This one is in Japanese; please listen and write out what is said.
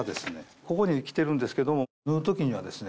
ここにきてるんですけども縫う時にはですね